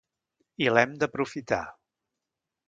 I l’hem d’aprofitar.